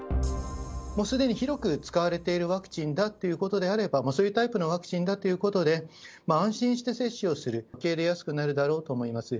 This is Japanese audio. もうすでに広く使われているワクチンだということであれば、そういうタイプのワクチンだということで、安心して接種をする、受け入れやすくなるだろうと思います。